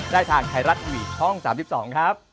ได้ทางไทรัตวิชช่อง๓๒ครับ